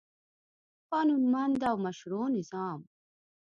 قانونمند او مشروع نظام